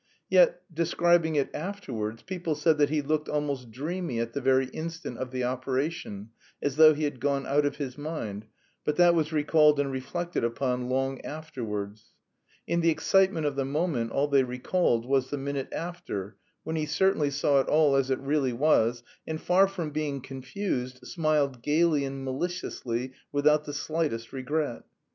Yet, describing it afterwards, people said that he looked almost dreamy at the very instant of the operation, "as though he had gone out of his mind," but that was recalled and reflected upon long afterwards. In the excitement of the moment all they recalled was the minute after, when he certainly saw it all as it really was, and far from being confused smiled gaily and maliciously "without the slightest regret."